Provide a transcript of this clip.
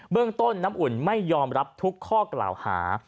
เรื่องต้นน้ำอุ่นไม่ยอมรับทุกข้อกล่าวหา